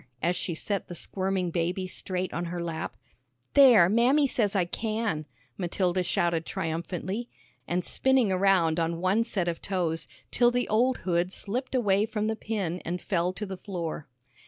as she set the squirming baby straight on her lap. "There, Mammy says I can," Matilda shouted triumphantly, and spinning around on one set of toes, till the old hood slipped away from the pin and fell to the floor.